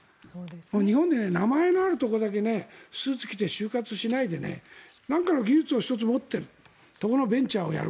日本で名前のあるところだけスーツを着て就活しないでなんかの技術を１つ持っているところのベンチャーをやる。